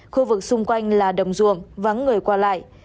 khu vực xung quanh là đồng ruộng vắng người qua lại